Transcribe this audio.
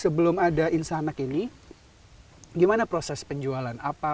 sebelum ada insanak ini gimana proses penjualan